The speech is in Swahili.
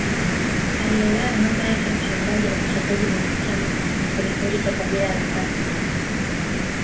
Alilelewa na mama yake mchungaji na mchezaji mwanachama wa kikundi cha kabila la Kakwa